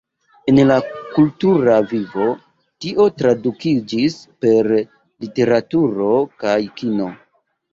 En la kultura vivo, tio tradukiĝis per literaturo kaj kino.